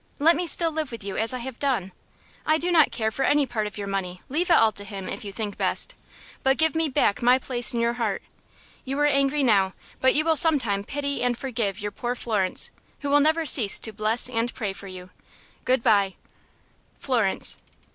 Let me still live with you as I have done. I do not care for any part of your money leave it all to him, if you think best but give me back my place in your heart. You are angry now, but you will some time pity and forgive your poor Florence, who will never cease to bless and pray for you. Good bye! "Florence."